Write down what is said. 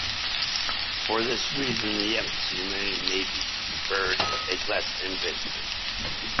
For this reason the ethnonym "Mien" may be preferred as less ambiguous.